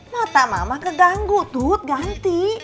mata mama keganggu tuh ganti